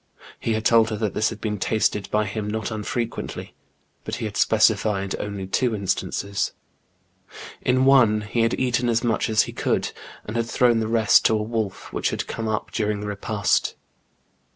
He had told her that this had been tasted by him not unfrequently, but he had specified only two instances : in one he had eaten as much as he could, and had thrown the rest to a wolf, which had come up during the repast.